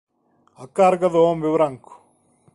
A carga do home branco.